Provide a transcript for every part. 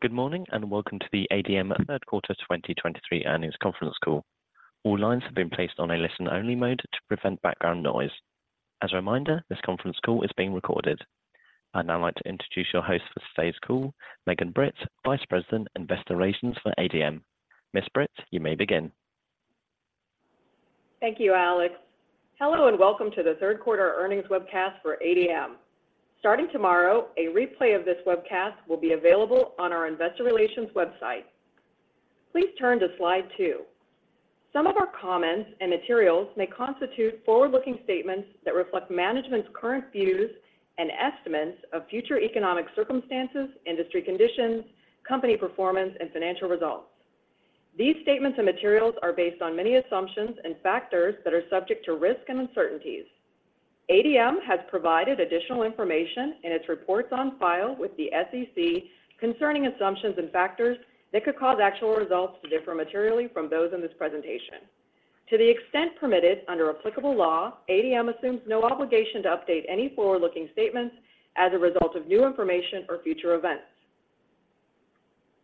Good morning, and welcome to the ADM Q3 2023 Earnings Conference Call. All lines have been placed on a listen-only mode to prevent background noise. As a reminder, this conference call is being recorded. I'd now like to introduce your host for today's call, Megan Britt, Vice President, Investor Relations for ADM. Ms. Britt, you may begin. Thank you, Alex. Hello, and welcome to the Q3 earnings webcast for ADM. Starting tomorrow, a replay of this webcast will be available on our investor relations website. Please turn to slide two. Some of our comments and materials may constitute forward-looking statements that reflect management's current views and estimates of future economic circumstances, industry conditions, company performance, and financial results. These statements and materials are based on many assumptions and factors that are subject to risk and uncertainties. ADM has provided additional information in its reports on file with the SEC concerning assumptions and factors that could cause actual results to differ materially from those in this presentation. To the extent permitted under applicable law, ADM assumes no obligation to update any forward-looking statements as a result of new information or future events.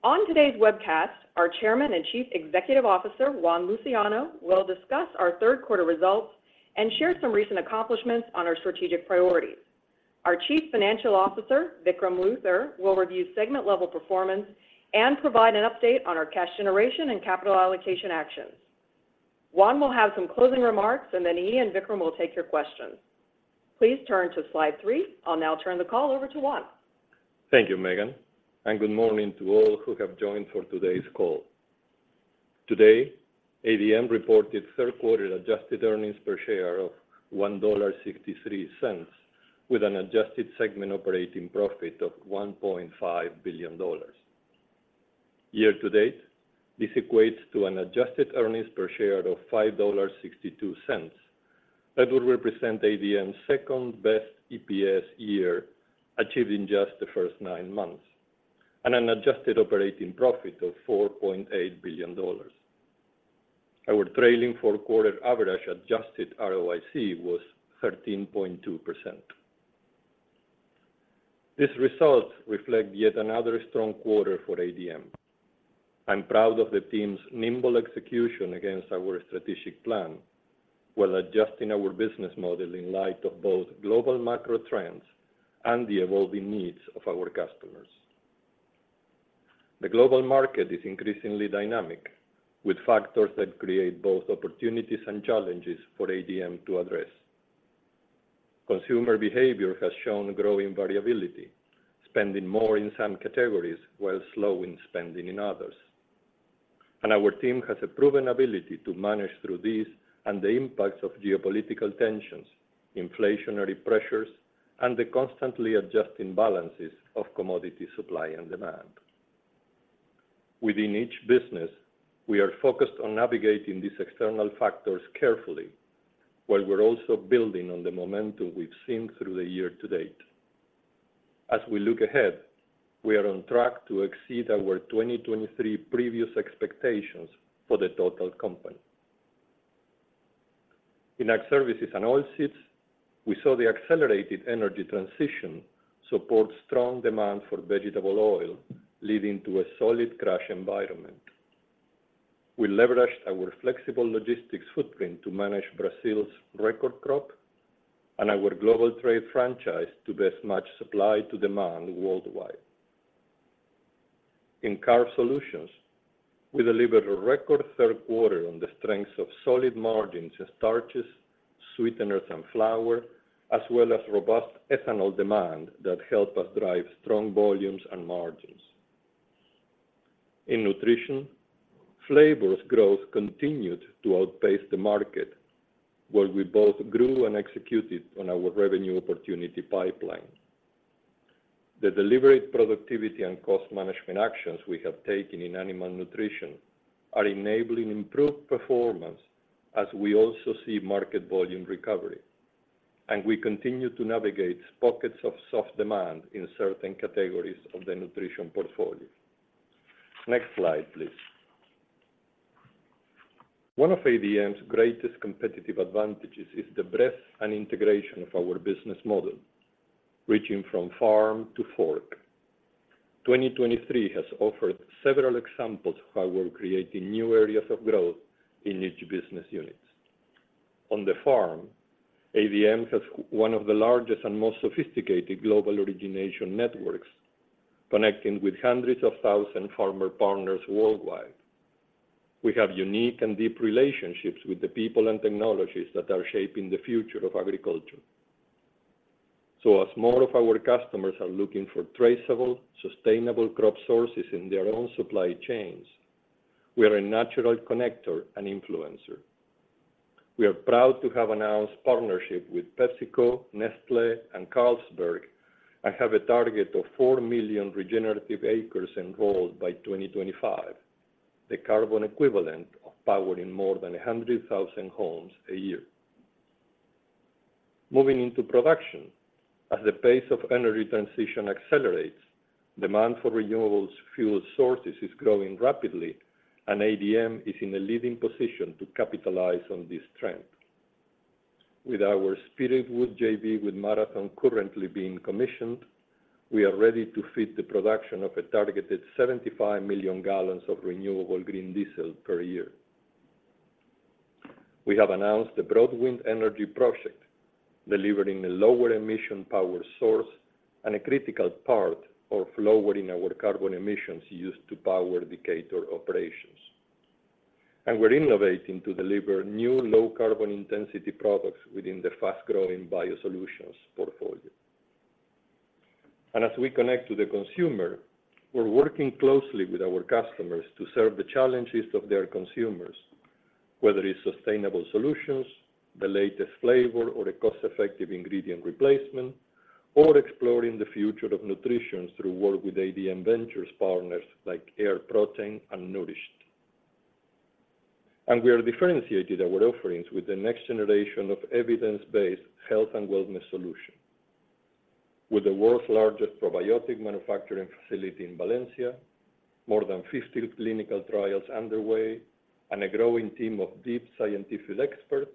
On today's webcast, our Chairman and Chief Executive Officer, Juan Luciano, will discuss our Q3 results and share some recent accomplishments on our strategic priorities. Our Chief Financial Officer, Vikram Luthar, will review segment-level performance and provide an update on our cash generation and capital allocation actions. Juan will have some closing remarks, and then he and Vikram will take your questions. Please turn to slide 3. I'll now turn the call over to Juan. Thank you, Megan, and good morning to all who have joined for today's call. Today, ADM reported Q3 adjusted earnings per share of $1.63, with an adjusted segment operating profit of $1.5 billion. Year to date, this equates to an adjusted earnings per share of $5.62. That would represent ADM's second-best EPS year, achieved in just the first nine months, and an adjusted operating profit of $4.8 billion. Our trailing four-quarter average adjusted ROIC was 13.2%. These results reflect yet another strong quarter for ADM. I'm proud of the team's nimble execution against our strategic plan, while adjusting our business model in light of both global macro trends and the evolving needs of our customers. The global market is increasingly dynamic, with factors that create both opportunities and challenges for ADM to address. Consumer behavior has shown growing variability, spending more in some categories while slowing spending in others. Our team has a proven ability to manage through these and the impacts of geopolitical tensions, inflationary pressures, and the constantly adjusting balances of commodity supply and demand. Within each business, we are focused on navigating these external factors carefully, while we're also building on the momentum we've seen through the year to date. As we look ahead, we are on track to exceed our 2023 previous expectations for the total company. In Ag Services and Oilseeds, we saw the accelerated energy transition support strong demand for vegetable oil, leading to a solid crush environment. We leveraged our flexible logistics footprint to manage Brazil's record crop and our global trade franchise to best match supply to demand worldwide. In Carb Solutions, we delivered a record Q3 on the strengths of solid margins in starches, sweeteners, and flour, as well as robust ethanol demand that helped us drive strong volumes and margins. In Nutrition, flavors growth continued to outpace the market, where we both grew and executed on our revenue opportunity pipeline. The deliberate productivity and cost management actions we have taken in animal nutrition are enabling improved performance as we also see market volume recovery, and we continue to navigate pockets of soft demand in certain categories of the nutrition portfolio. Next slide, please. One of ADM's greatest competitive advantages is the breadth and integration of our business model, reaching from farm to fork. 2023 has offered several examples of how we're creating new areas of growth in each business unit. On the farm, ADM has one of the largest and most sophisticated global origination networks, connecting with hundreds of thousands farmer partners worldwide. We have unique and deep relationships with the people and technologies that are shaping the future of agriculture. So as more of our customers are looking for traceable, sustainable crop sources in their own supply chains, we are a natural connector and influencer. We are proud to have announced partnerships with PepsiCo, Nestlé, and Carlsberg, and have a target of 4 million regenerative acres enrolled by 2025, the carbon equivalent of powering more than 100,000 homes a year. Moving into production, as the pace of energy transition accelerates, demand for renewable fuel sources is growing rapidly, and ADM is in a leading position to capitalize on this trend. With our Spiritwood JV with Marathon currently being commissioned, we are ready to fit the production of a targeted 75 million gallons of renewable green diesel per year. We have announced the Broadwind Energy project, delivering a lower emission power source and a critical part of lowering our carbon emissions used to power the Decatur operations. And we're innovating to deliver new low carbon intensity products within the fast-growing BioSolutions portfolio. And as we connect to the consumer, we're working closely with our customers to serve the challenges of their consumers, whether it's sustainable solutions, the latest flavor, or a cost-effective ingredient replacement, or exploring the future of nutrition through work with ADM Ventures partners like Air Protein and Nourished. We are differentiating our offerings with the next generation of evidence-based health and wellness solution. With the world's largest probiotic manufacturing facility in Valencia, more than 50 clinical trials underway, and a growing team of deep scientific experts,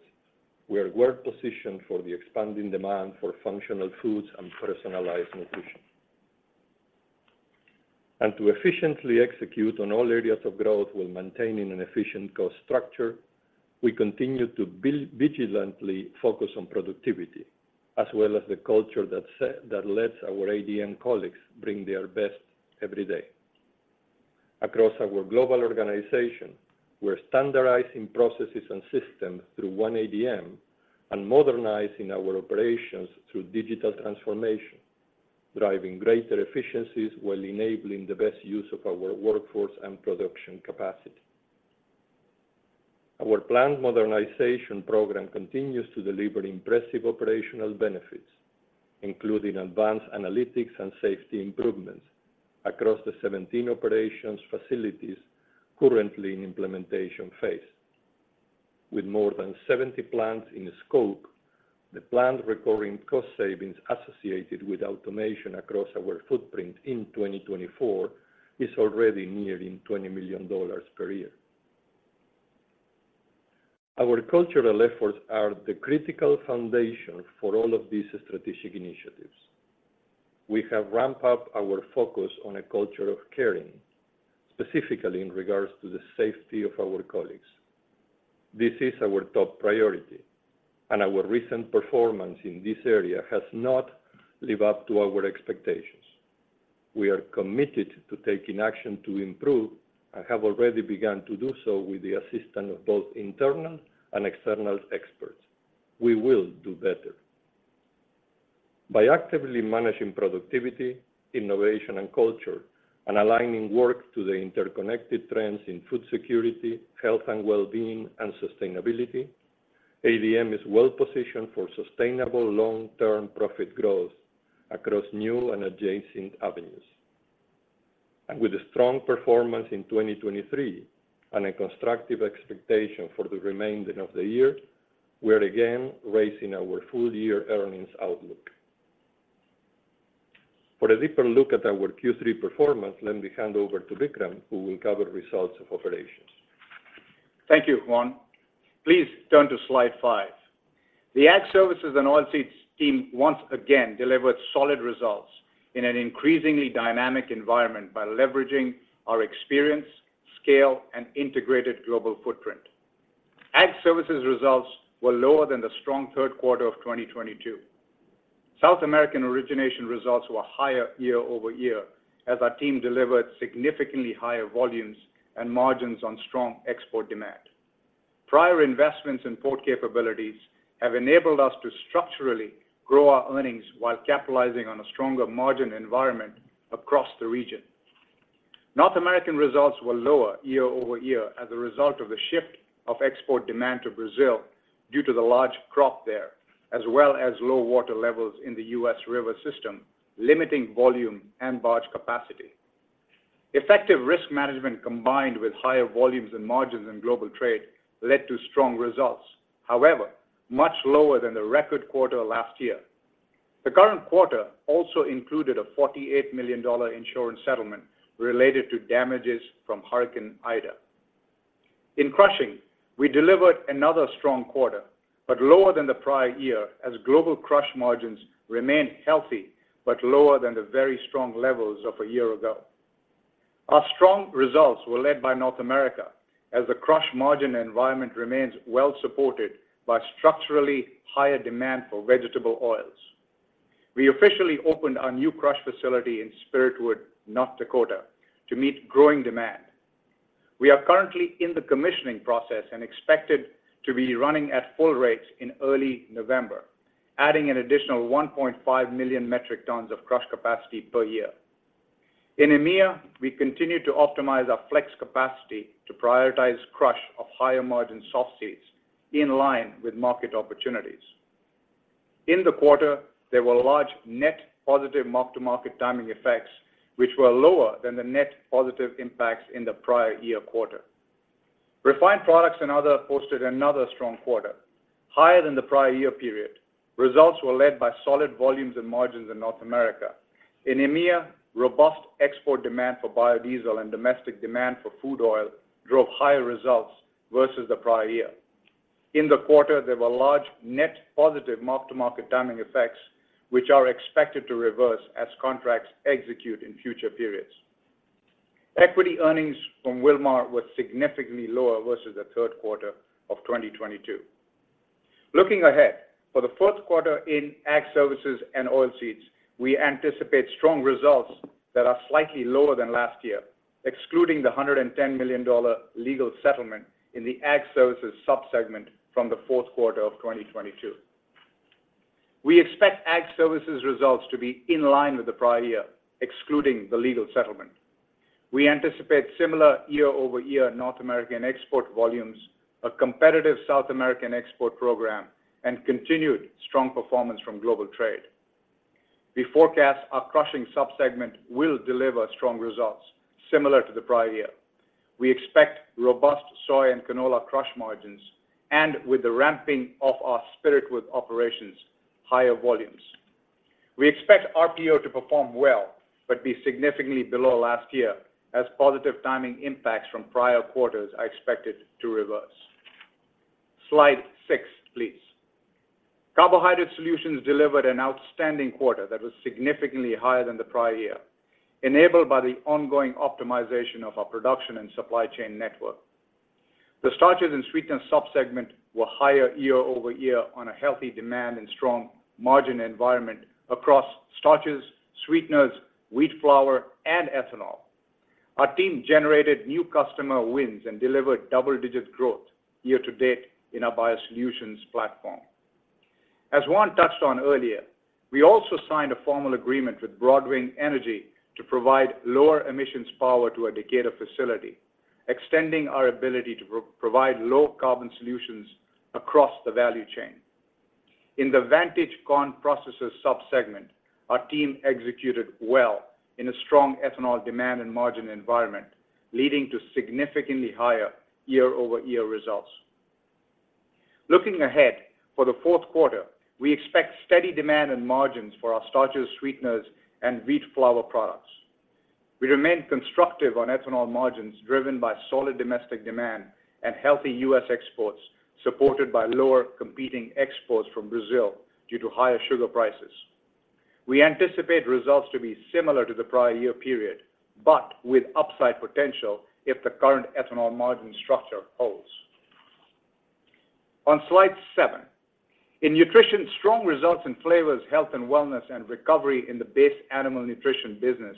we are well-positioned for the expanding demand for functional foods and personalized nutrition. To efficiently execute on all areas of growth while maintaining an efficient cost structure, we continue to vigilantly focus on productivity, as well as the culture that lets our ADM colleagues bring their best every day. Across our global organization, we're standardizing processes and systems through One ADM, and modernizing our operations through digital transformation, driving greater efficiencies while enabling the best use of our workforce and production capacity. Our plant modernization program continues to deliver impressive operational benefits, including advanced analytics and safety improvements across the 17 operations facilities currently in implementation phase. With more than 70 plants in scope, the plant recovering cost savings associated with automation across our footprint in 2024 is already nearing $20 million per year. Our cultural efforts are the critical foundation for all of these strategic initiatives. We have ramped up our focus on a culture of caring, specifically in regards to the safety of our colleagues. This is our top priority, and our recent performance in this area has not lived up to our expectations. We are committed to taking action to improve, and have already begun to do so with the assistance of both internal and external experts. We will do better. By actively managing productivity, innovation, and culture, and aligning work to the interconnected trends in food security, health and wellbeing, and sustainability, ADM is well positioned for sustainable long-term profit growth across new and adjacent avenues. With a strong performance in 2023 and a constructive expectation for the remainder of the year, we are again raising our full-year earnings outlook. For a deeper look at our Q3 performance, let me hand over to Vikram, who will cover results of operations. Thank you, Juan. Please turn to slide 5. The Ag Services and Oilseeds team once again delivered solid results in an increasingly dynamic environment by leveraging our experience, scale, and integrated global footprint. Ag Services results were lower than the strong Q3 of 2022. South American origination results were higher year-over-year, as our team delivered significantly higher volumes and margins on strong export demand. Prior investments in port capabilities have enabled us to structurally grow our earnings while capitalizing on a stronger margin environment across the region. North American results were lower year-over-year as a result of the shift of export demand to Brazil due to the large crop there, as well as low water levels in the U.S. river system, limiting volume and barge capacity. Effective risk management, combined with higher volumes and margins in global trade, led to strong results, however, much lower than the record quarter last year. The current quarter also included a $48 million insurance settlement related to damages from Hurricane Ida. In crushing, we delivered another strong quarter, but lower than the prior year, as global crush margins remained healthy, but lower than the very strong levels of a year ago. Our strong results were led by North America, as the crush margin environment remains well supported by structurally higher demand for vegetable oils. We officially opened our new crush facility in Spiritwood, North Dakota, to meet growing demand. We are currently in the commissioning process and expected to be running at full rates in early November, adding an additional 1.5 million metric tons of crush capacity per year. In EMEA, we continued to optimize our flex capacity to prioritize crush of higher-margin soft seeds in line with market opportunities. In the quarter, there were large net positive mark-to-market timing effects, which were lower than the net positive impacts in the prior year quarter. Refined products and other posted another strong quarter, higher than the prior year period. Results were led by solid volumes and margins in North America. In EMEA, robust export demand for biodiesel and domestic demand for food oil drove higher results versus the prior year. In the quarter, there were large net positive mark-to-market timing effects, which are expected to reverse as contracts execute in future periods. Equity earnings from Wilmar were significantly lower versus the Q3 of 2022. Looking ahead, for the fourth quarter in Ag Services and Oilseeds, we anticipate strong results that are slightly lower than last year, excluding the $110 million legal settlement in the Ag Services sub-segment from the fourth quarter of 2022. We expect Ag Services results to be in line with the prior year, excluding the legal settlement. We anticipate similar year-over-year North American export volumes, a competitive South American export program, and continued strong performance from global trade. We forecast our crushing sub-segment will deliver strong results similar to the prior year. We expect robust soy and canola crush margins, and with the ramping of our Spiritwood operations, higher volumes. We expect RPO to perform well, but be significantly below last year, as positive timing impacts from prior quarters are expected to reverse. Slide 6, please. Carbohydrate Solutions delivered an outstanding quarter that was significantly higher than the prior year, enabled by the ongoing optimization of our production and supply chain network. The starches and sweeteners sub-segment were higher year-over-year on a healthy demand and strong margin environment across starches, sweeteners, wheat flour, and ethanol. Our team generated new customer wins and delivered double-digit growth year-to-date in our Biosolutions platform. As Juan touched on earlier, we also signed a formal agreement with Broadwind Energy to provide lower emissions power to our Decatur facility, extending our ability to provide low carbon solutions across the value chain. In the Vantage Corn Processors sub-segment, our team executed well in a strong ethanol demand and margin environment, leading to significantly higher year-over-year results. Looking ahead, for the fourth quarter, we expect steady demand and margins for our starches, sweeteners, and wheat flour products. We remain constructive on ethanol margins, driven by solid domestic demand and healthy U.S. exports, supported by lower competing exports from Brazil due to higher sugar prices. We anticipate results to be similar to the prior year period, but with upside potential if the current ethanol margin structure holds. On slide 7. In Nutrition, strong results in Flavors, Health and Wellness, and recovery in the Base Animal Nutrition business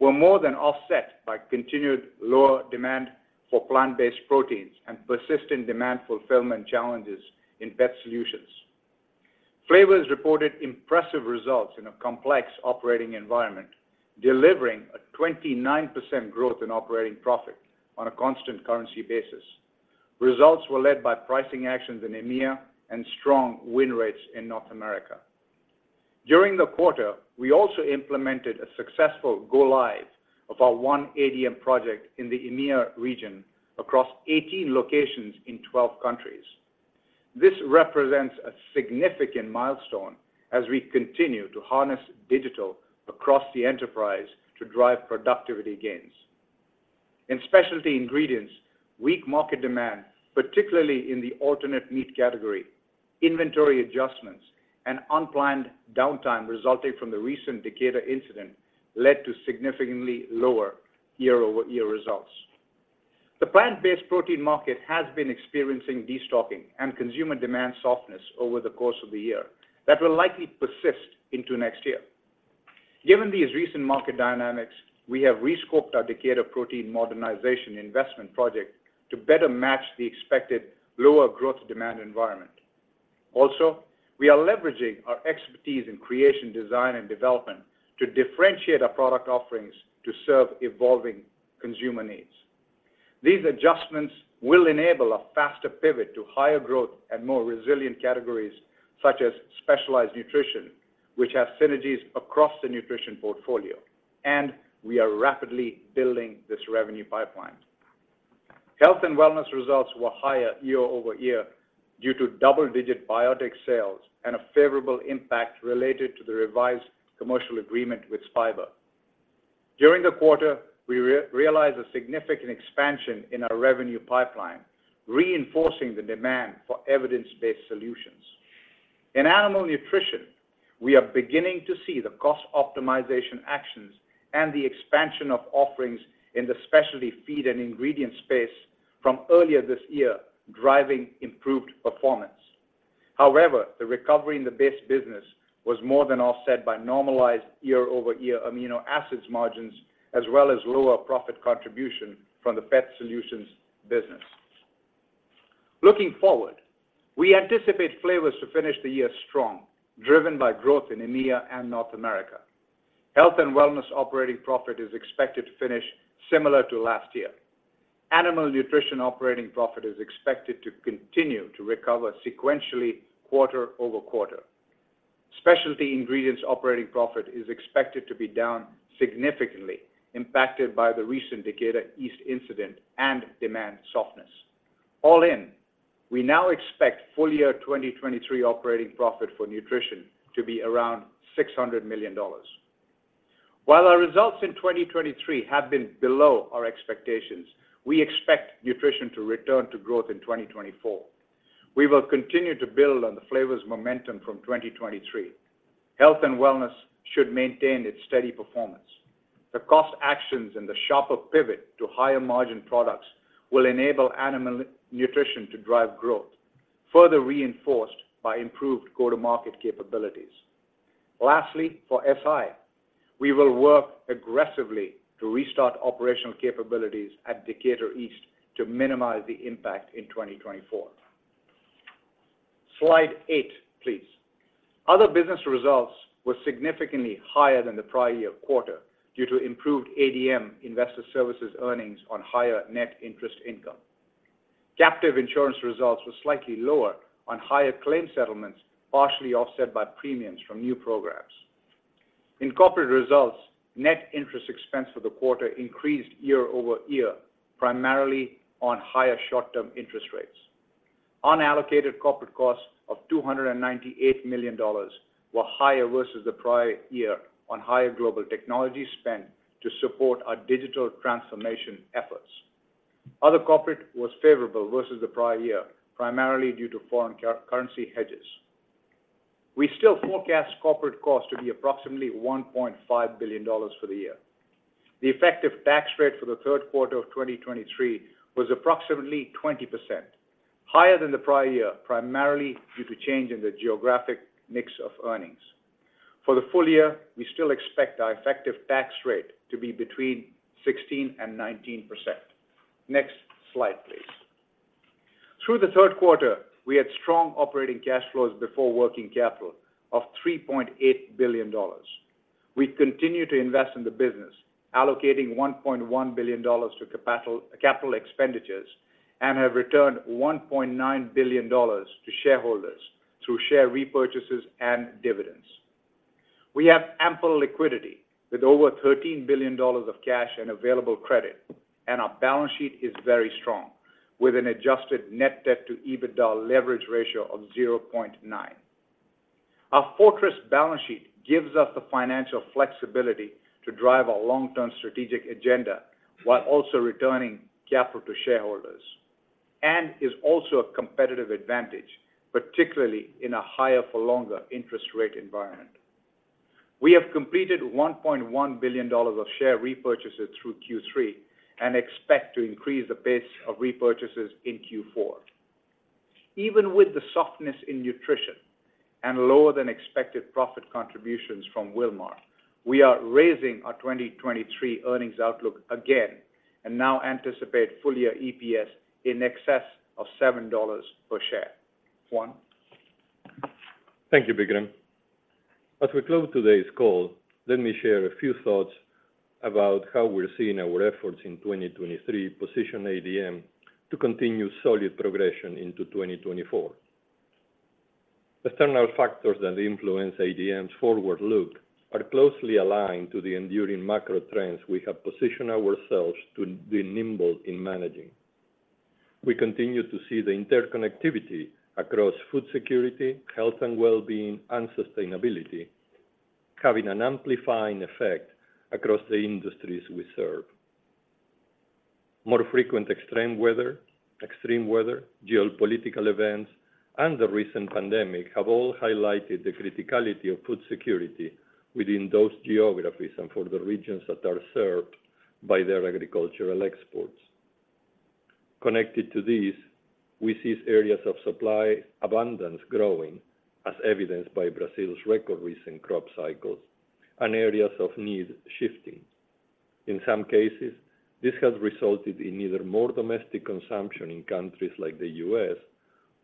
were more than offset by continued lower demand for plant-based proteins and persistent demand fulfillment challenges in Pet Solutions. Flavors reported impressive results in a complex operating environment, delivering a 29% growth in operating profit on a constant currency basis. Results were led by pricing actions in EMEA and strong win rates in North America. During the quarter, we also implemented a successful go-live of our One ADM project in the EMEA region across 18 locations in 12 countries. This represents a significant milestone as we continue to harness digital across the enterprise to drive productivity gains. In Specialty Ingredients, weak market demand, particularly in the alternate meat category, inventory adjustments, and unplanned downtime resulting from the recent Decatur incident led to significantly lower year-over-year results. The plant-based protein market has been experiencing destocking and consumer demand softness over the course of the year that will likely persist into next year. Given these recent market dynamics, we have re-scoped our Decatur Protein Modernization investment project to better match the expected lower growth demand environment. Also, we are leveraging our expertise in creation, design, and development to differentiate our product offerings to serve evolving consumer needs. These adjustments will enable a faster pivot to higher growth and more resilient categories, such as specialized nutrition, which have synergies across the nutrition portfolio, and we are rapidly building this revenue pipeline. Health and Wellness results were higher year-over-year due to double-digit probiotic sales and a favorable impact related to the revised commercial agreement with Spiber. During the quarter, we realized a significant expansion in our revenue pipeline, reinforcing the demand for evidence-based solutions. In Animal Nutrition, we are beginning to see the cost optimization actions and the expansion of offerings in the specialty feed and ingredient space from earlier this year, driving improved performance. However, the recovery in the base business was more than offset by normalized year-over-year amino acids margins, as well as lower profit contribution from the Pet Solutions business. Looking forward, we anticipate Flavors to finish the year strong, driven by growth in EMEA and North America. Health and Wellness operating profit is expected to finish similar to last year. Animal Nutrition operating profit is expected to continue to recover sequentially, quarter-over-quarter. Specialty Ingredients operating profit is expected to be down significantly, impacted by the recent Decatur East incident and demand softness. All in, we now expect full year 2023 operating profit for Nutrition to be around $600 million. While our results in 2023 have been below our expectations, we expect Nutrition to return to growth in 2024. We will continue to build on the flavors momentum from 2023. Health and wellness should maintain its steady performance. The cost actions and the shopper pivot to higher margin products will enable Animal Nutrition to drive growth, further reinforced by improved go-to-market capabilities. Lastly, for SI, we will work aggressively to restart operational capabilities at Decatur East to minimize the impact in 2024. Slide eight, please. Other business results were significantly higher than the prior year quarter due to improved ADM Investor Services earnings on higher net interest income. Captive insurance results were slightly lower on higher claim settlements, partially offset by premiums from new programs. In corporate results, net interest expense for the quarter increased year-over-year, primarily on higher short-term interest rates. Unallocated corporate costs of $298 million were higher versus the prior year on higher global technology spend to support our digital transformation efforts. Other corporate was favorable versus the prior year, primarily due to foreign currency hedges. We still forecast corporate cost to be approximately $1.5 billion for the year. The effective tax rate for the Q3 of 2023 was approximately 20%, higher than the prior year, primarily due to change in the geographic mix of earnings. For the full year, we still expect our effective tax rate to be between 16%-19%. Next slide, please. Through the Q3, we had strong operating cash flows before working capital of $3.8 billion. We continue to invest in the business, allocating $1.1 billion to capital expenditures, and have returned $1.9 billion to shareholders through share repurchases and dividends. We have ample liquidity with over $13 billion of cash and available credit, and our balance sheet is very strong, with an adjusted net debt to EBITDA leverage ratio of 0.9. Our fortress balance sheet gives us the financial flexibility to drive our long-term strategic agenda while also returning capital to shareholders, and is also a competitive advantage, particularly in a higher-for-longer interest rate environment. We have completed $1.1 billion of share repurchases through Q3 and expect to increase the pace of repurchases in Q4. Even with the softness in nutrition and lower-than-expected profit contributions from Wilmar, we are raising our 2023 earnings outlook again and now anticipate full-year EPS in excess of $7 per share. Juan? Thank you, Vikram. As we close today's call, let me share a few thoughts about how we're seeing our efforts in 2023 position ADM to continue solid progression into 2024. External factors that influence ADM's forward look are closely aligned to the enduring macro trends we have positioned ourselves to be nimble in managing. We continue to see the interconnectivity across food security, health and well-being, and sustainability, having an amplifying effect across the industries we serve. More frequent extreme weather, geopolitical events, and the recent pandemic have all highlighted the criticality of food security within those geographies and for the regions that are served by their agricultural exports. Connected to this, we see areas of supply abundance growing, as evidenced by Brazil's record recent crop cycles and areas of need shifting. In some cases, this has resulted in either more domestic consumption in countries like the U.S.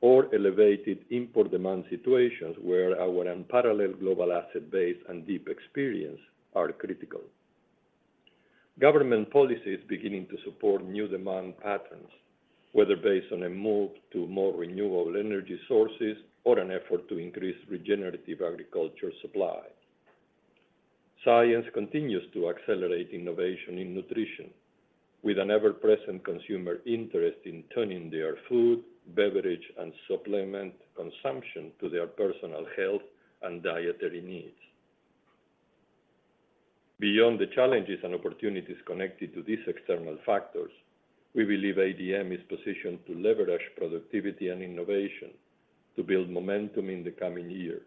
or elevated import demand situations where our unparalleled global asset base and deep experience are critical. Government policy is beginning to support new demand patterns, whether based on a move to more renewable energy sources or an effort to increase regenerative agriculture supply. Science continues to accelerate innovation in nutrition, with an ever-present consumer interest in turning their food, beverage, and supplement consumption to their personal health and dietary needs. Beyond the challenges and opportunities connected to these external factors, we believe ADM is positioned to leverage productivity and innovation to build momentum in the coming year,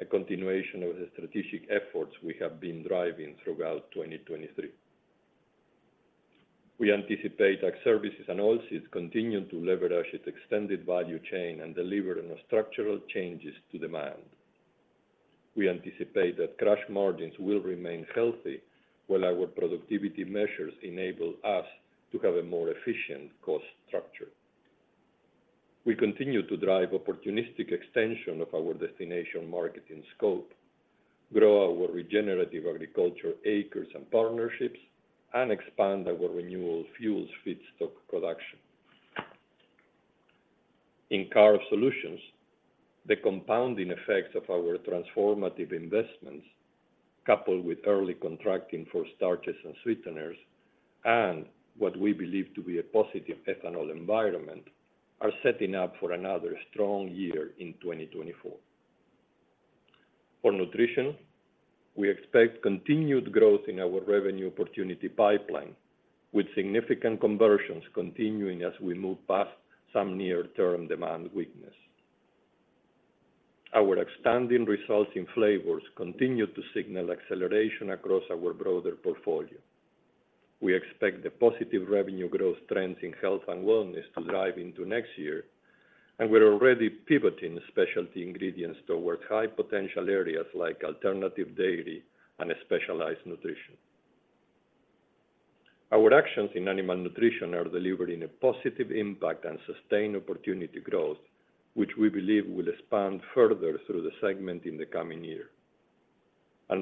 a continuation of the strategic efforts we have been driving throughout 2023. We anticipate Ag Services and Oilseeds continuing to leverage its extended value chain and deliver on the structural changes to demand. We anticipate that crush margins will remain healthy, while our productivity measures enable us to have a more efficient cost structure. We continue to drive opportunistic extension of our destination marketing scope, grow our regenerative agriculture acres and partnerships, and expand our renewable fuels feedstock production.... In Carb Solutions, the compounding effects of our transformative investments, coupled with early contracting for starches and sweeteners, and what we believe to be a positive ethanol environment, are setting up for another strong year in 2024. For Nutrition, we expect continued growth in our revenue opportunity pipeline, with significant conversions continuing as we move past some near-term demand weakness. Our expanding results in Flavors continue to signal acceleration across our broader portfolio. We expect the positive revenue growth trends in health and wellness to drive into next year, and we're already pivoting specialty ingredients towards high potential areas like alternative dairy and specialized nutrition. Our actions in animal nutrition are delivering a positive impact and sustained opportunity growth, which we believe will expand further through the segment in the coming year.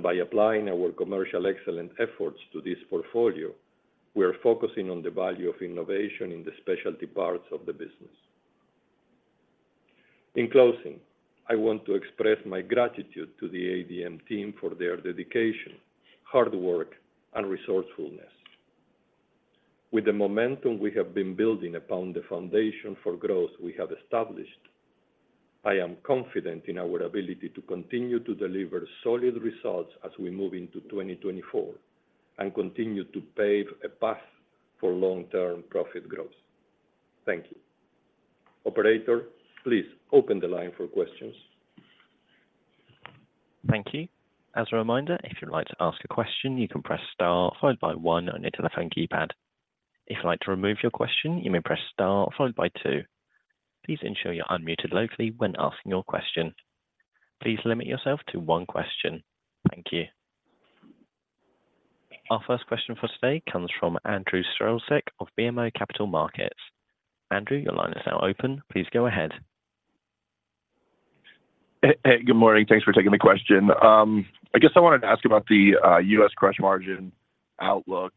By applying our commercial excellence efforts to this portfolio, we are focusing on the value of innovation in the specialty parts of the business. In closing, I want to express my gratitude to the ADM team for their dedication, hard work, and resourcefulness. With the momentum we have been building upon the foundation for growth we have established, I am confident in our ability to continue to deliver solid results as we move into 2024, and continue to pave a path for long-term profit growth. Thank you. Operator, please open the line for questions. Thank you. As a reminder, if you'd like to ask a question, you can press star, followed by one on your telephone keypad. If you'd like to remove your question, you may press star, followed by two. Please ensure you're unmuted locally when asking your question. Please limit yourself to one question. Thank you. Our first question for today comes from Andrew Strelzik of BMO Capital Markets. Andrew, your line is now open. Please go ahead. Hey, hey, good morning. Thanks for taking the question. I guess I wanted to ask about the US crush margin outlook.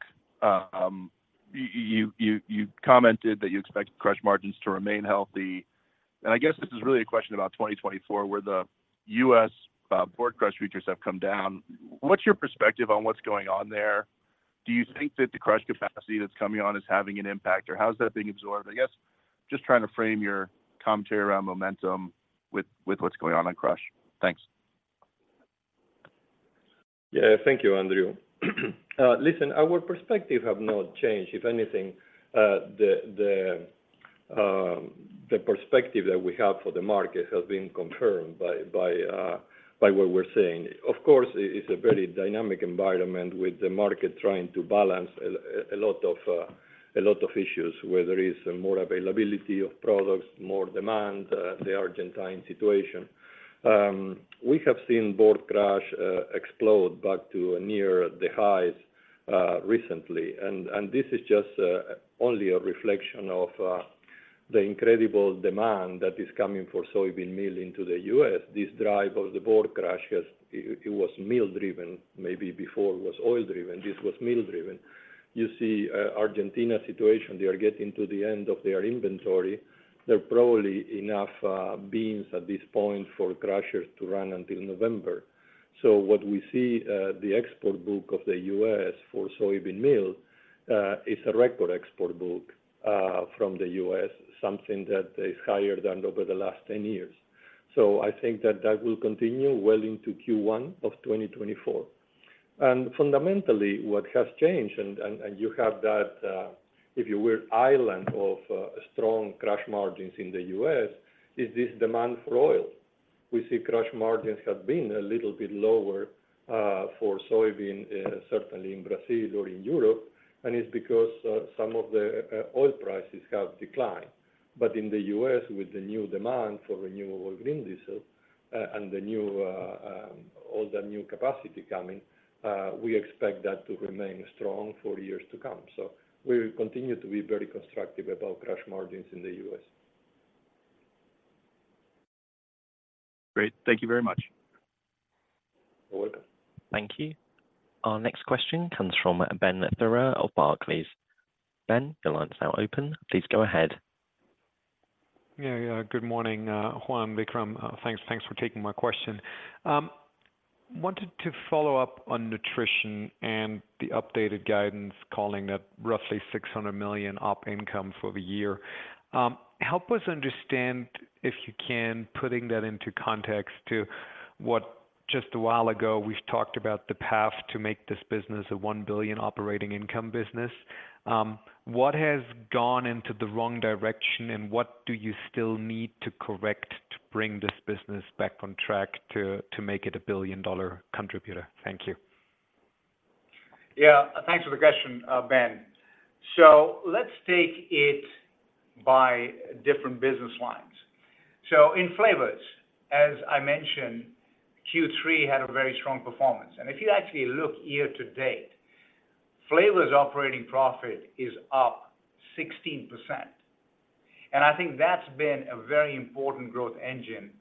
You commented that you expect crush margins to remain healthy. I guess this is really a question about 2024, where the US port crush futures have come down. What's your perspective on what's going on there? Do you think that the crush capacity that's coming on is having an impact, or how is that being absorbed? I guess, just trying to frame your commentary around momentum with what's going on on crush. Thanks. Yeah. Thank you, Andrew. Listen, our perspective have not changed. If anything, the perspective that we have for the market has been confirmed by what we're seeing. Of course, it's a very dynamic environment, with the market trying to balance a lot of issues, where there is more availability of products, more demand, the Argentine situation. We have seen soybean crush explode back to near the highs recently. And this is just only a reflection of the incredible demand that is coming for soybean meal into the U.S. This drive of the soybean crush, it was meal-driven, maybe before it was oil-driven, this was meal-driven. You see, Argentina's situation, they are getting to the end of their inventory. They're probably enough beans at this point for crushers to run until November. So what we see, the export book of the U.S. for soybean meal, is a record export book from the U.S., something that is higher than over the last 10 years. So I think that that will continue well into Q1 of 2024. And fundamentally, what has changed, and you have that, if you're an island of strong crush margins in the U.S., is this demand for oil. We see crush margins have been a little bit lower for soybean, certainly in Brazil or in Europe, and it's because some of the oil prices have declined. But in the U.S., with the new demand for Renewable Green Diesel, and the new, all the new capacity coming, we expect that to remain strong for years to come. So we will continue to be very constructive about crush margins in the U.S. Great. Thank you very much. You're welcome. Thank you. Our next question comes from Ben Theurer of Barclays. Ben, your line is now open. Please go ahead. Yeah, yeah, good morning, Juan, Vikram. Thanks, thanks for taking my question. Wanted to follow up on Nutrition and the updated guidance, calling that roughly $600 million op income for the year. Help us understand, if you can, putting that into context to what, just a while ago, we've talked about the path to make this business a $1 billion operating income business. What has gone into the wrong direction, and what do you still need to correct to bring this business back on track to, to make it a billion-dollar contributor? Thank you. Yeah, thanks for the question, Ben. So let's take it by different business lines. So in flavors, as I mentioned, Q3 had a very strong performance. And if you actually look year to date- ... Flavors operating profit is up 16%, and I think that's been a very important growth engine.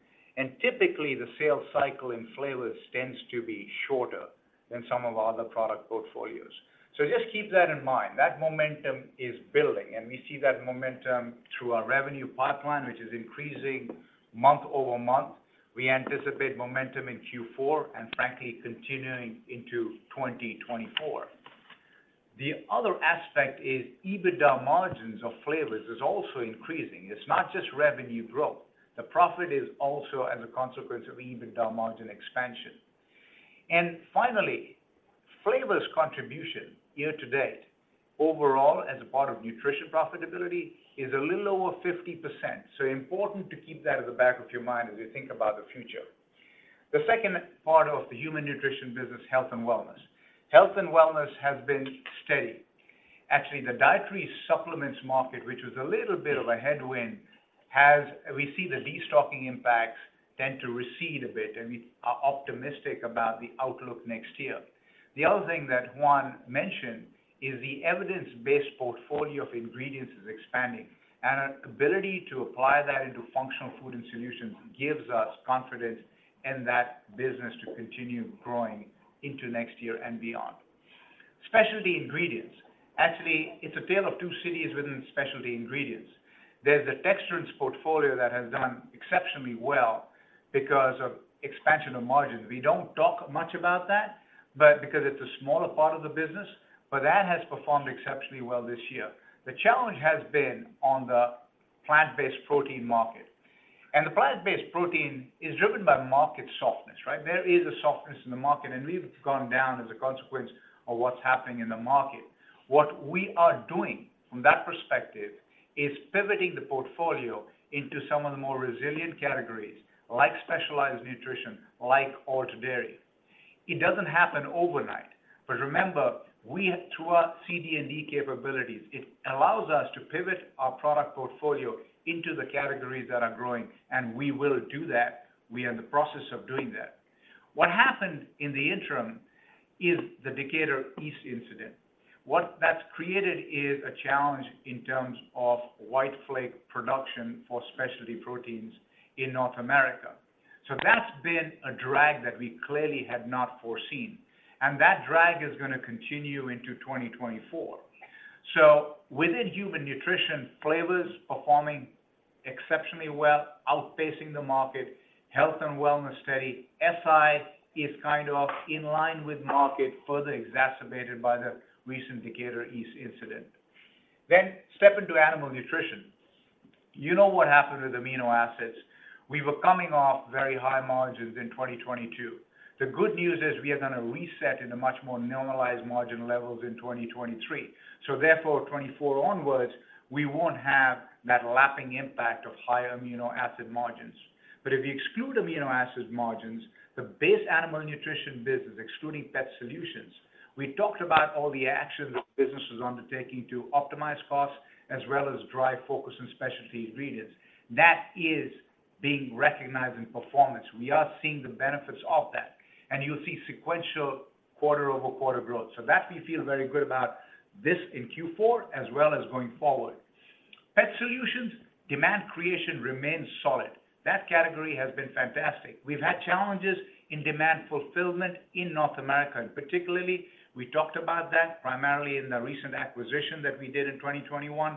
Typically, the sales cycle in Flavors tends to be shorter than some of our other product portfolios. So just keep that in mind. That momentum is building, and we see that momentum through our revenue pipeline, which is increasing month-over-month. We anticipate momentum in Q4 and frankly, continuing into 2024. The other aspect is, EBITDA margins of Flavors is also increasing. It's not just revenue growth. The profit is also as a consequence of EBITDA margin expansion. Finally, Flavors contribution year to date, overall, as a part of Nutrition profitability, is a little over 50%. So important to keep that at the back of your mind as you think about the future. The second part of the Human Nutrition business, Health and Wellness. Health and wellness has been steady. Actually, the dietary supplements market, which was a little bit of a headwind, has, we see the destocking impacts tend to recede a bit, and we are optimistic about the outlook next year. The other thing that Juan mentioned is the evidence-based portfolio of ingredients is expanding, and our ability to apply that into functional food and solutions gives us confidence in that business to continue growing into next year and beyond. Specialty ingredients. Actually, it's a tale of two cities within specialty ingredients. There's a Texturants portfolio that has done exceptionally well because of expansion of margins. We don't talk much about that, but because it's a smaller part of the business, but that has performed exceptionally well this year. The challenge has been on the plant-based protein market, and the plant-based protein is driven by market softness, right? There is a softness in the market, and we've gone down as a consequence of what's happening in the market. What we are doing from that perspective is pivoting the portfolio into some of the more resilient categories, like specialized nutrition, like alt dairy. It doesn't happen overnight, but remember, we have through our CD&D capabilities, it allows us to pivot our product portfolio into the categories that are growing, and we will do that. We are in the process of doing that. What happened in the interim is the Decatur East incident. What that's created is a challenge in terms of white flake production for specialty proteins in North America. So that's been a drag that we clearly had not foreseen, and that drag is gonna continue into 2024. So within human nutrition, flavor is performing exceptionally well, outpacing the market, health and wellness study. SI is kind of in line with market, further exacerbated by the recent Decatur East incident. Then step into animal nutrition. You know what happened with amino acids. We were coming off very high margins in 2022. The good news is we are going to reset in a much more normalized margin levels in 2023. So therefore, 2024 onwards, we won't have that lapping impact of higher amino acid margins. But if you exclude amino acid margins, the base animal nutrition business, excluding pet solutions, we talked about all the actions the business is undertaking to optimize costs as well as drive focus on specialty ingredients. That is being recognized in performance. We are seeing the benefits of that, and you'll see sequential quarter-over-quarter growth. So that we feel very good about this in Q4 as well as going forward. Pet solutions, demand creation remains solid. That category has been fantastic. We've had challenges in demand fulfillment in North America, and particularly, we talked about that primarily in the recent acquisition that we did in 2021.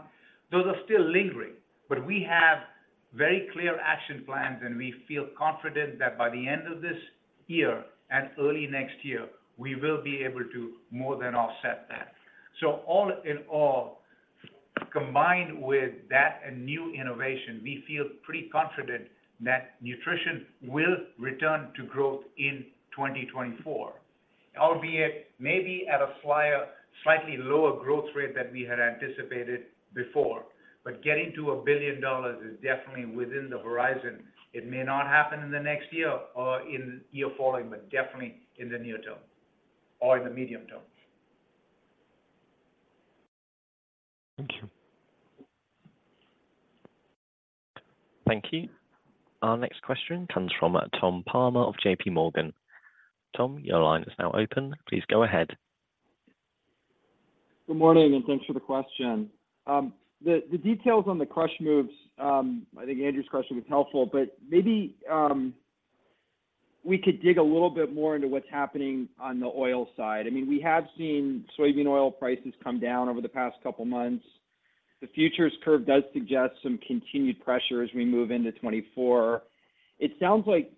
Those are still lingering, but we have very clear action plans, and we feel confident that by the end of this year and early next year, we will be able to more than offset that. So all in all, combined with that and new innovation, we feel pretty confident that Nutrition will return to growth in 2024, albeit maybe at a slightly, slightly lower growth rate than we had anticipated before. But getting to $1 billion is definitely within the horizon. It may not happen in the next year or in year following, but definitely in the near term or in the medium term. Thank you. Thank you. Our next question comes from Tom Palmer of JP Morgan. Tom, your line is now open. Please go ahead. Good morning, and thanks for the question. The details on the crush moves, I think Andrew's question was helpful, but maybe we could dig a little bit more into what's happening on the oil side. I mean, we have seen soybean oil prices come down over the past couple of months. The futures curve does suggest some continued pressure as we move into 2024. It sounds like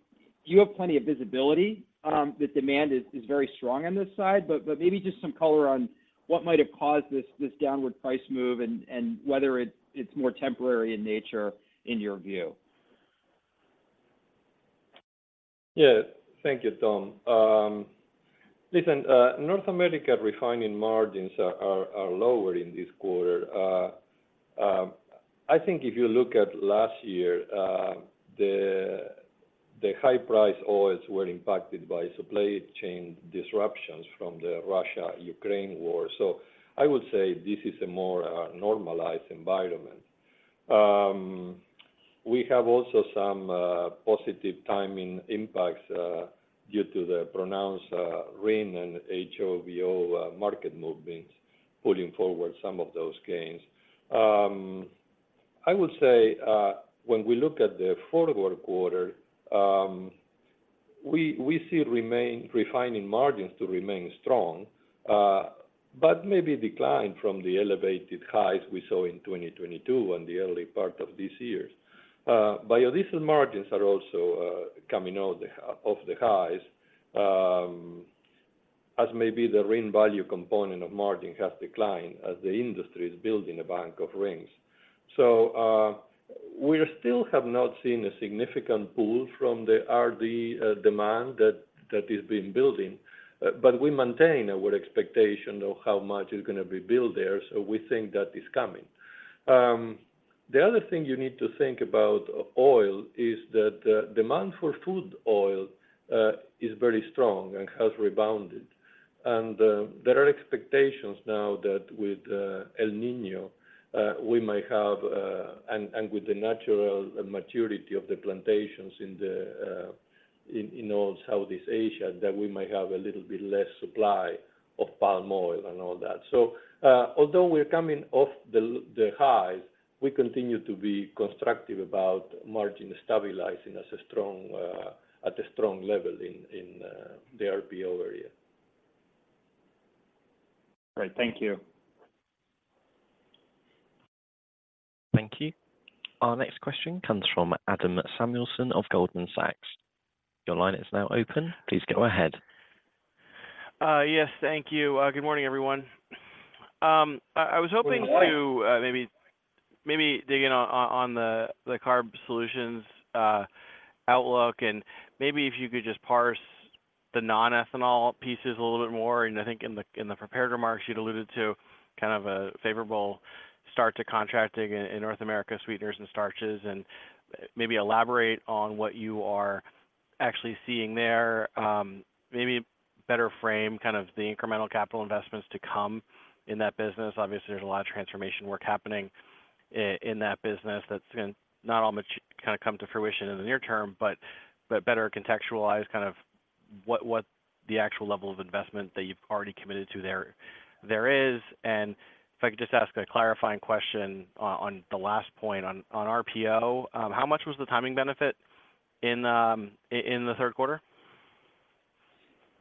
you have plenty of visibility, the demand is very strong on this side, but maybe just some color on what might have caused this downward price move and whether it's more temporary in nature in your view. Yeah. Thank you, Tom. Listen, North America refining margins are lower in this quarter. I think if you look at last year, the high price oils were impacted by supply chain disruptions from the Russia-Ukraine war. So I would say this is a more normalized environment. We have also some positive timing impacts due to the pronounced RIN and HOBO market movements pulling forward some of those gains. I would say when we look at the fourth quarter, we see refining margins to remain strong, but maybe decline from the elevated highs we saw in 2022 and the early part of this year. Biodiesel margins are also coming out of the highs as maybe the RIN value component of margin has declined as the industry is building a bank of RINs. So, we still have not seen a significant pull from the RD demand that has been building, but we maintain our expectation of how much is going to be built there, so we think that is coming. The other thing you need to think about oil is that the demand for food oil is very strong and has rebounded. There are expectations now that with El Niño we may have, and with the natural maturity of the plantations in all Southeast Asia, that we might have a little bit less supply of palm oil and all that. Although we're coming off the highs, we continue to be constructive about margin stabilizing as a strong at a strong level in the RPO area. Great. Thank you. Thank you. Our next question comes from Adam Samuelson of Goldman Sachs. Your line is now open. Please go ahead. Yes, thank you. Good morning, everyone. I was hoping- Good morning. To maybe dig in on the Carb Solutions outlook, and maybe if you could just parse the non-ethanol pieces a little bit more. And I think in the prepared remarks, you'd alluded to kind of a favorable start to contracting in North America, sweeteners and starches, and maybe elaborate on what you are actually seeing there. Maybe better frame kind of the incremental capital investments to come in that business. Obviously, there's a lot of transformation work happening in that business that's gonna not all kinda come to fruition in the near term, but better contextualize kind of what the actual level of investment that you've already committed to there is. And if I could just ask a clarifying question on the last point on RPO. How much was the timing benefit in the Q3?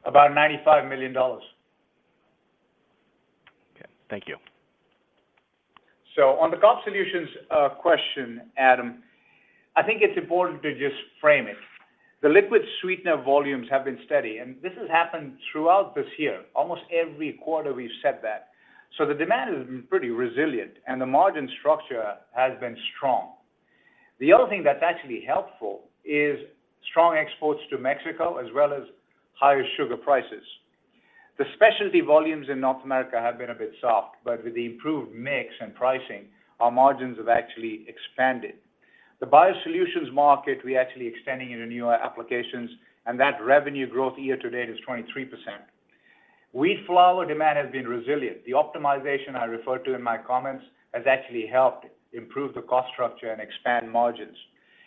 About $95 million. Okay. Thank you. So on the Carb Solutions, question, Adam, I think it's important to just frame it. The liquid sweetener volumes have been steady, and this has happened throughout this year. Almost every quarter we've said that. So the demand has been pretty resilient, and the margin structure has been strong. The other thing that's actually helpful is strong exports to Mexico, as well as higher sugar prices. The specialty volumes in North America have been a bit soft, but with the improved mix and pricing, our margins have actually expanded. The Biosolutions market, we're actually extending into newer applications, and that revenue growth year to date is 23%. Wheat flour demand has been resilient. The optimization I referred to in my comments has actually helped improve the cost structure and expand margins.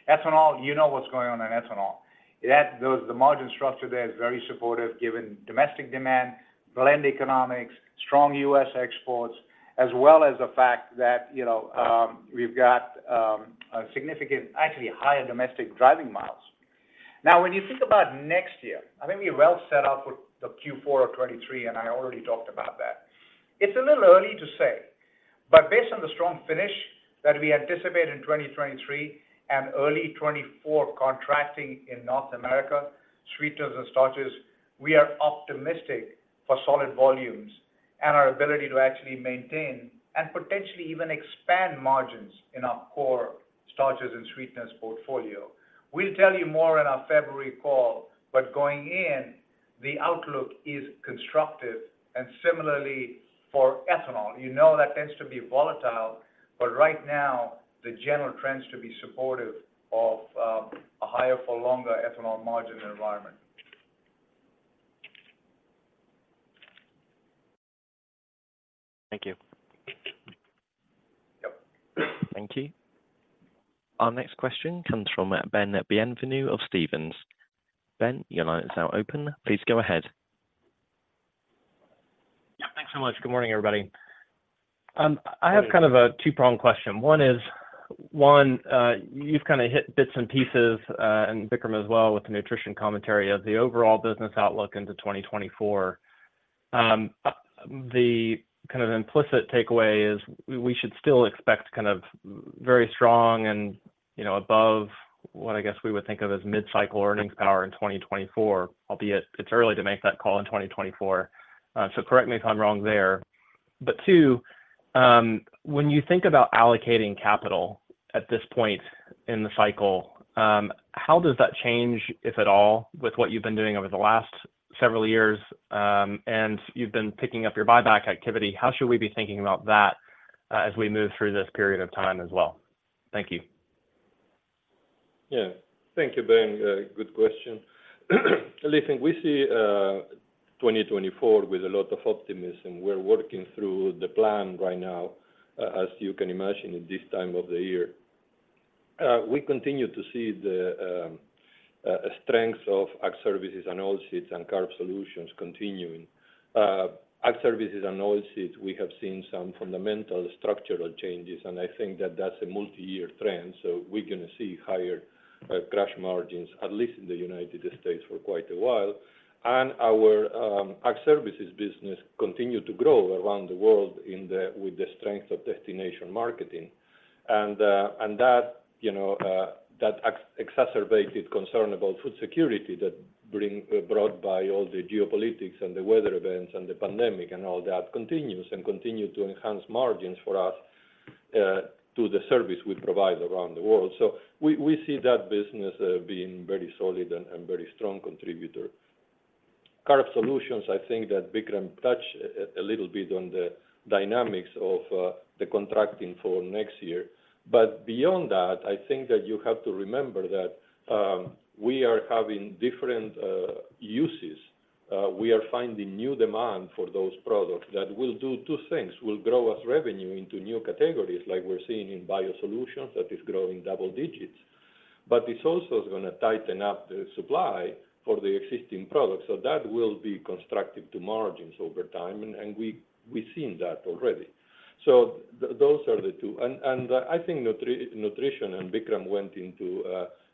Ethanol, you know what's going on in ethanol. Those, the margin structure there is very supportive, given domestic demand, blend economics, strong US exports, as well as the fact that, you know, we've got a significant, actually higher domestic driving miles. Now, when you think about next year, I think we're well set up for the Q4 of 2023, and I already talked about that. It's a little early to say, but based on the strong finish that we anticipate in 2023 and early 2024 contracting in North America, sweeteners and starches, we are optimistic for solid volumes and our ability to actually maintain and potentially even expand margins in our core starches and sweeteners portfolio. We'll tell you more in our February call, but going in, the outlook is constructive and similarly for ethanol. You know, that tends to be volatile, but right now, the general trends to be supportive of a higher for longer ethanol margin environment. Thank you. Yep. Thank you. Our next question comes from Ben Bienvenu of Stephens. Ben, your line is now open. Please go ahead. Yeah, thanks so much. Good morning, everybody. I have kind of a two-prong question. One is, you've kind of hit bits and pieces, and Vikram as well, with the nutrition commentary of the overall business outlook into 2024. The kind of implicit takeaway is we should still expect kind of very strong and, you know, above what I guess we would think of as mid-cycle earnings power in 2024, albeit it's early to make that call in 2024. So correct me if I'm wrong there. But two, when you think about allocating capital at this point in the cycle, how does that change, if at all, with what you've been doing over the last several years? And you've been picking up your buyback activity. How should we be thinking about that, as we move through this period of time as well? Thank you.... Yeah. Thank you, Ben. Good question. Listen, we see 2024 with a lot of optimism. We're working through the plan right now, as you can imagine, at this time of the year. We continue to see the strength of Ag Services and Oilseeds and Carb Solutions continuing. Ag Services and Oilseeds, we have seen some fundamental structural changes, and I think that that's a multi-year trend, so we're gonna see higher crush margins, at least in the United States, for quite a while. And our Ag Services business continue to grow around the world with the strength of destination marketing. And that, you know, that exacerbated concern about food security that brought by all the geopolitics and the weather events and the pandemic and all that continues, and continue to enhance margins for us, to the service we provide around the world. So we see that business being very solid and very strong contributor. Carb Solutions, I think that Vikram touched a little bit on the dynamics of the contracting for next year. But beyond that, I think that you have to remember that, we are having different uses. We are finding new demand for those products that will do two things: will grow us revenue into new categories, like we're seeing in Biosolutions, that is growing double digits. But it's also gonna tighten up the supply for the existing products, so that will be constructive to margins over time, and we've seen that already. So those are the two. And I think Nutrition, and Vikram went into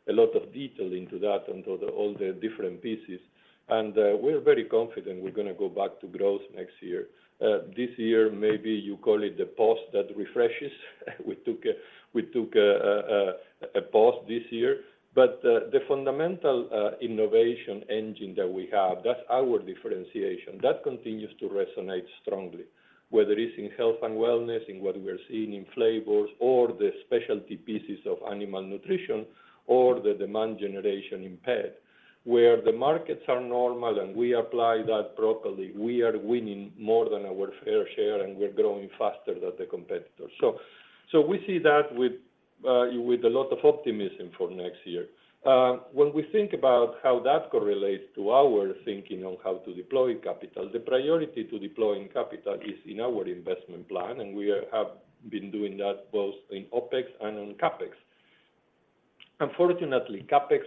a lot of detail into that, into all the different pieces. And we're very confident we're gonna go back to growth next year. This year, maybe you call it the pause that refreshes. We took a pause this year. But the fundamental innovation engine that we have, that's our differentiation. That continues to resonate strongly, whether it's in health and wellness, in what we are seeing in Flavors, or the specialty pieces of Animal Nutrition, or the demand generation in pet. Where the markets are normal and we apply that properly, we are winning more than our fair share, and we're growing faster than the competitors. So we see that with a lot of optimism for next year. When we think about how that correlates to our thinking on how to deploy capital, the priority to deploying capital is in our investment plan, and we have been doing that both in OpEx and in CapEx. Unfortunately, CapEx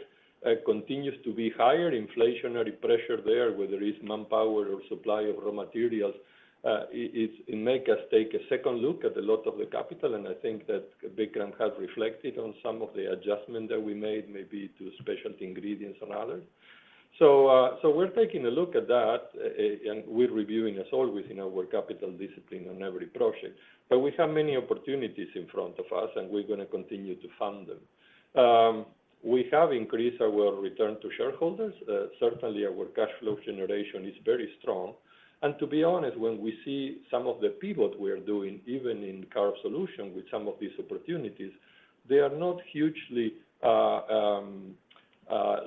continues to be higher. Inflationary pressure there, whether it's manpower or supply of raw materials, it makes us take a second look at a lot of the capital, and I think that Vikram has reflected on some of the adjustments that we made, maybe to Specialty Ingredients and others. So, we're taking a look at that, and we're reviewing, as always, in our capital discipline on every project. But we have many opportunities in front of us, and we're gonna continue to fund them. We have increased our return to shareholders. Certainly, our cash flow generation is very strong. And to be honest, when we see some of the pivots we are doing, even in Carb Solutions, with some of these opportunities, they are not hugely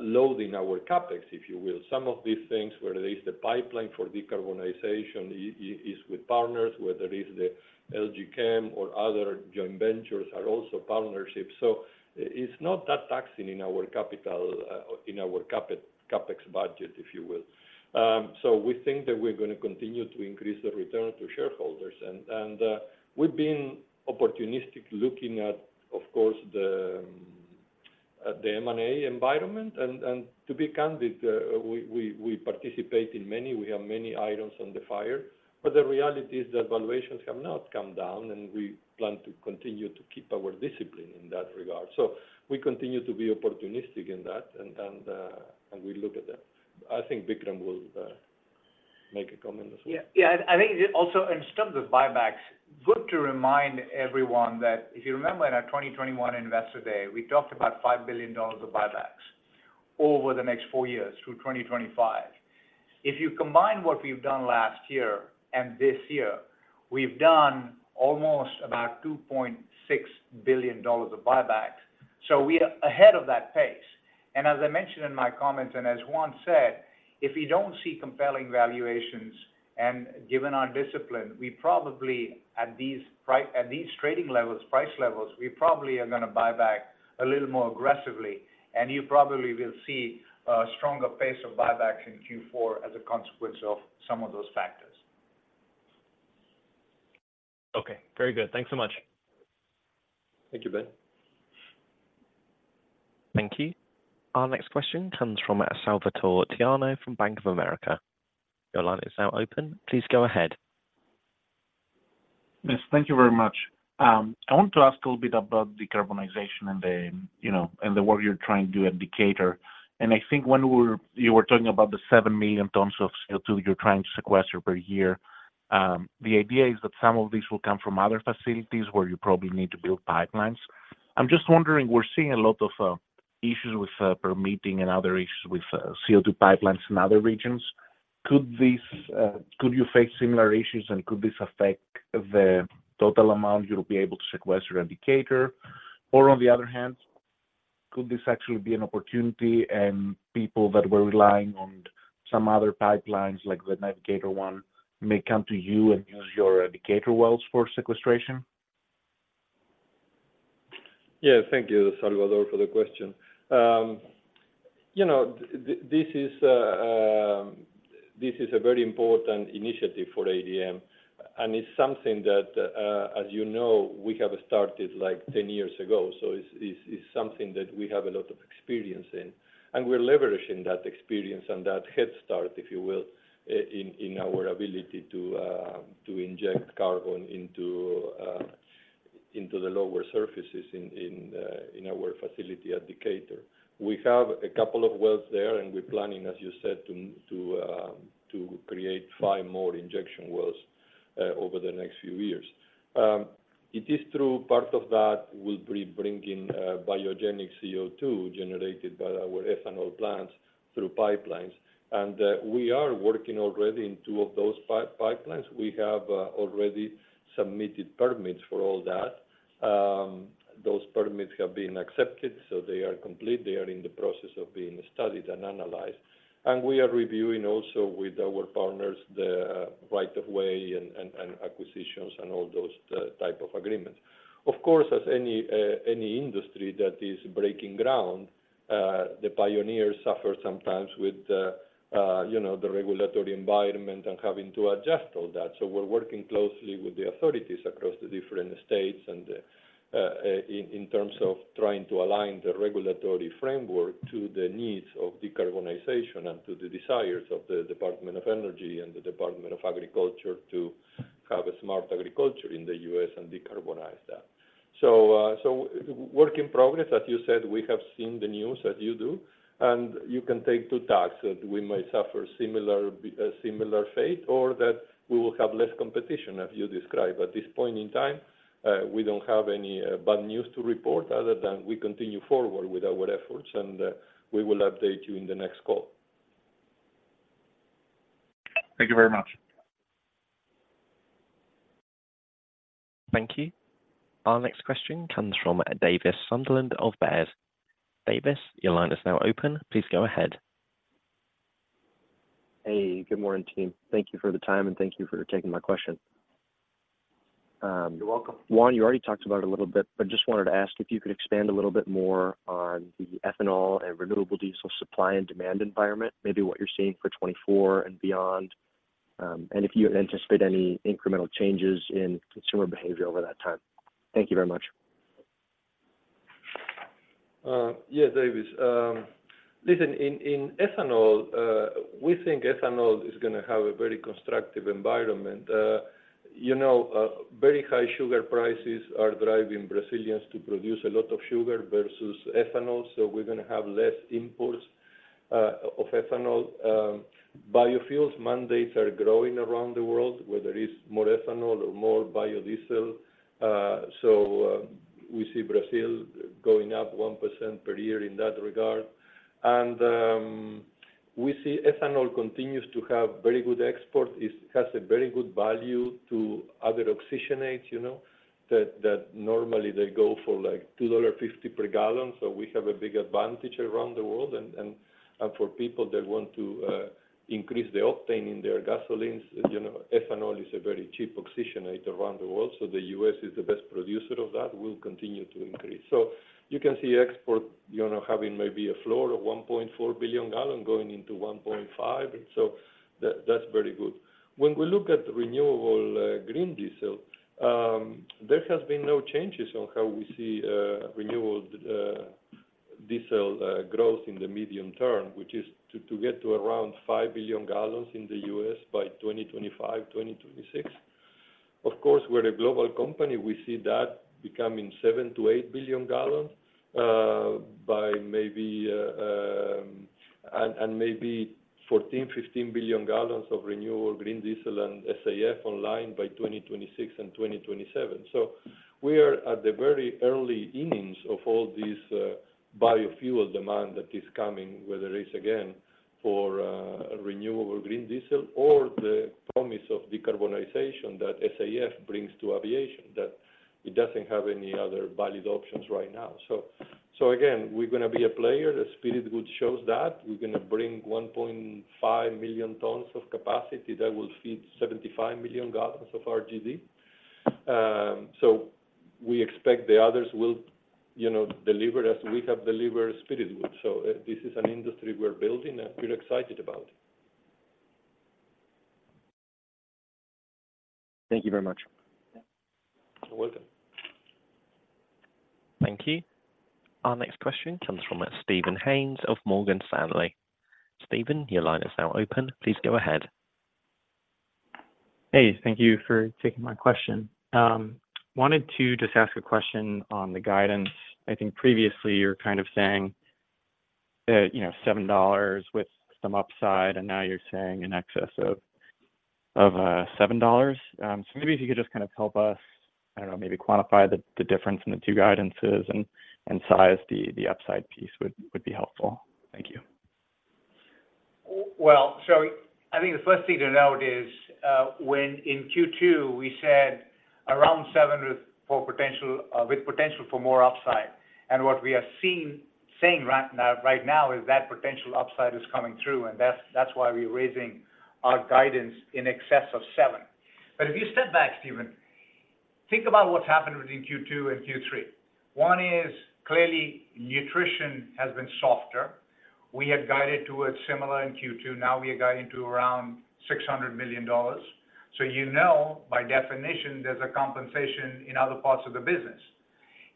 loading our CapEx, if you will. Some of these things, whether it's the pipeline for decarbonization, is with partners, whether it's the LG Chem or other joint ventures, are also partnerships. So it's not that taxing in our capital, in our CapEx budget, if you will. So we think that we're gonna continue to increase the return to shareholders. And we've been opportunistically looking at, of course, the M&A environment. And to be candid, we participate in many. We have many items on the fire, but the reality is that valuations have not come down, and we plan to continue to keep our discipline in that regard. So we continue to be opportunistic in that, and we look at that. I think Vikram will make a comment as well. Yeah. Yeah, I think also in terms of buybacks, good to remind everyone that if you remember in our 2021 Investor Day, we talked about $5 billion of buybacks over the next four years through 2025. If you combine what we've done last year and this year, we've done almost about $2.6 billion of buybacks, so we are ahead of that pace. And as I mentioned in my comments, and as Juan said, if we don't see compelling valuations, and given our discipline, we probably, at these trading levels, price levels, we probably are gonna buy back a little more aggressively, and you probably will see a stronger pace of buybacks in Q4 as a consequence of some of those factors. Okay, very good. Thanks so much. Thank you, Ben. Thank you. Our next question comes from Salvatore Tiano from Bank of America. Your line is now open. Please go ahead. Yes, thank you very much. I want to ask a little bit about decarbonization and the, you know, and the work you're trying to do at Decatur. And I think you were talking about the 7 million tons of CO2 you're trying to sequester per year. The idea is that some of these will come from other facilities where you probably need to build pipelines. I'm just wondering, we're seeing a lot of issues with permitting and other issues with CO2 pipelines in other regions. Could this, could you face similar issues, and could this affect the total amount you'll be able to sequester at Decatur? Or on the other hand, could this actually be an opportunity and people that were relying on some other pipelines, like the Navigator one, may come to you and use your Decatur wells for sequestration? Yeah. Thank you, Salvatore, for the question. You know, this is a very important initiative for ADM, and it's something that, as you know, we have started, like, 10 years ago. So it's something that we have a lot of experience in, and we're leveraging that experience and that head start, if you will, in our ability to inject carbon into the lower surfaces in our facility at Decatur. We have a couple of wells there, and we're planning, as you said, to create 5 more injection wells over the next few years. It is true part of that will be bringing biogenic CO2 generated by our ethanol plants through pipelines. And we are working already in 2 of those pipelines. We have already submitted permits for all that. Those permits have been accepted, so they are complete. They are in the process of being studied and analyzed. And we are reviewing also with our partners, the right of way and acquisitions and all those type of agreements. Of course, as any industry that is breaking ground, the pioneers suffer sometimes with, you know, the regulatory environment and having to adjust all that. So we're working closely with the authorities across the different states and in terms of trying to align the regulatory framework to the needs of decarbonization, and to the desires of the Department of Energy and the Department of Agriculture to have a smart agriculture in the U.S. and decarbonize that. So, so work in progress. As you said, we have seen the news that you do, and you can take two tasks, that we might suffer a similar fate, or that we will have less competition, as you describe. At this point in time, we don't have any bad news to report other than we continue forward with our efforts, and we will update you in the next call. Thank you very much. Thank you. Our next question comes from Davis Sunderland of Baird. Davis, your line is now open. Please go ahead. Hey, good morning, team. Thank you for the time, and thank you for taking my question. You're welcome. Juan, you already talked about it a little bit, but just wanted to ask if you could expand a little bit more on the ethanol and renewable diesel supply and demand environment, maybe what you're seeing for 2024 and beyond, and if you anticipate any incremental changes in consumer behavior over that time? Thank you very much. Yeah, Davis. Listen, in ethanol, we think ethanol is gonna have a very constructive environment. You know, very high sugar prices are driving Brazilians to produce a lot of sugar versus ethanol, so we're gonna have less imports of ethanol. Biofuels mandates are growing around the world, whether it's more ethanol or more biodiesel. So, we see Brazil going up 1% per year in that regard. And, we see ethanol continues to have very good export. It has a very good value to other oxygenates, you know, that normally they go for, like, $2.50 per gallon. So we have a big advantage around the world and, and, and for people that want to increase the octane in their gasolines, you know, ethanol is a very cheap oxygenate around the world, so the U.S. is the best producer of that, will continue to increase. So you can see export, you know, having maybe a floor of 1.4 billion gallon going into 1.5. So that, that's very good. When we look at renewable green diesel, there has been no changes on how we see renewable diesel growth in the medium term, which is to get to around 5 billion gallons in the U.S. by 2025, 2026. Of course, we're a global company, we see that becoming 7-8 billion gallons, by maybe... Maybe 14-15 billion gallons of renewable green diesel and SAF online by 2026 and 2027. So we are at the very early innings of all these biofuel demand that is coming, whether it's, again, for renewable green diesel or the promise of decarbonization that SAF brings to aviation, that it doesn't have any other valid options right now. So again, we're gonna be a player, the Spiritwood shows that. We're gonna bring 1.5 million tons of capacity that will feed 75 million gallons of RGD. So we expect the others will, you know, deliver as we have delivered Spiritwood. This is an industry we're building and we're excited about. Thank you very much. You're welcome. Thank you. Our next question comes from Steven Haynes of Morgan Stanley. Steven, your line is now open. Please go ahead. Hey, thank you for taking my question. Wanted to just ask a question on the guidance. I think previously you were kind of saying that, you know, $7 with some upside, and now you're saying in excess of $7. So maybe if you could just kind of help us, I don't know, maybe quantify the difference in the two guidances and size the upside piece would be helpful. Thank you. Well, so-... I think the first thing to note is, when in Q2, we said around 7 for potential, with potential for more upside. And what we are seeing, saying right now, right now is that potential upside is coming through, and that's, that's why we're raising our guidance in excess of 7. But if you step back, Steven, think about what's happened between Q2 and Q3. One is clearly nutrition has been softer. We had guided towards similar in Q2, now we are guiding to around $600 million. So you know, by definition, there's a compensation in other parts of the business.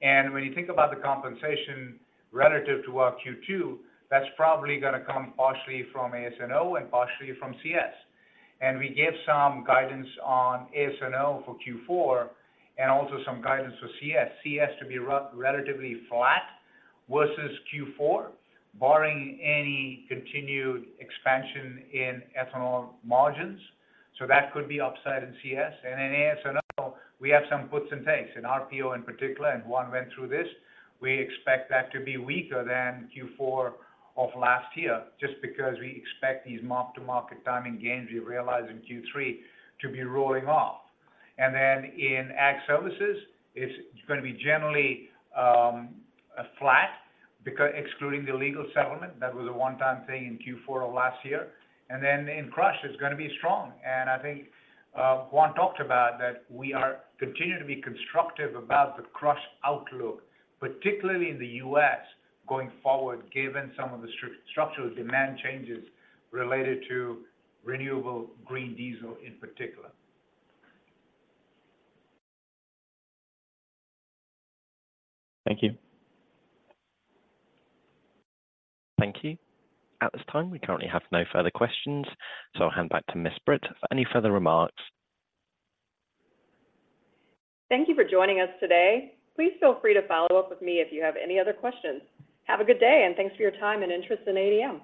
And when you think about the compensation relative to our Q2, that's probably gonna come partially from AS&O and partially from CS. And we gave some guidance on AS&O for Q4 and also some guidance for CS. CS to be relatively flat versus Q4, barring any continued expansion in ethanol margins. So that could be upside in CS. And in AS&O, we have some puts and takes, in RPO in particular, and Juan went through this. We expect that to be weaker than Q4 of last year, just because we expect these mark-to-market timing gains we realized in Q3 to be rolling off. And then in Ag Services, it's gonna be generally a flat, excluding the legal settlement. That was a one-time thing in Q4 of last year. And then in Crush, it's gonna be strong. And I think, Juan talked about that we are continuing to be constructive about the crush outlook, particularly in the U.S., going forward, given some of the structural demand changes related to renewable green diesel in particular. Thank you. Thank you. At this time, we currently have no further questions, so I'll hand back to Miss Britt for any further remarks. Thank you for joining us today. Please feel free to follow up with me if you have any other questions. Have a good day, and thanks for your time and interest in ADM.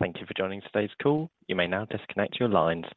Thank you for joining today's call. You may now disconnect your lines.